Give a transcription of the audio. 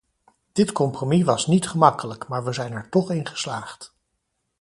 Dit compromis was niet gemakkelijk, maar we zijn er toch in geslaagd.